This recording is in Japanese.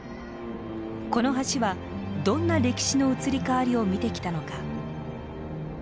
この橋はどんな歴史の移り変わりを見てきたのか。